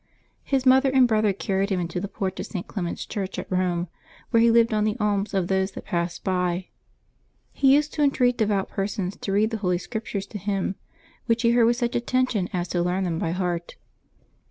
His mother and brother carried him into the porch of St. Clement's Church at Rome, where he lived on the alms of those that passed by. He used to entreat devout persons to read the Holy Scrip tures to him, which he heard with such attention as to learn them by heart.